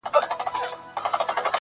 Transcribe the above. زه نو بيا څنگه مخ در واړومه.